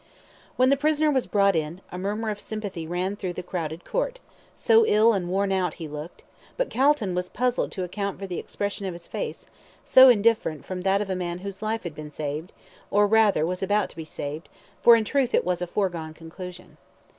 When the prisoner was brought in, a murmur of sympathy ran through the crowded Court, so ill and worn out he looked; but Calton was puzzled to account for the expression of his face, so different from that of a man whose life had been saved, or, rather, was about to be saved, for in truth it was a foregone conclusion.